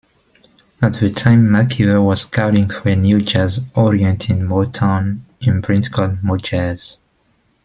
At the time, McKeever was scouting for a new jazz-oriented Motown imprint called MoJazz.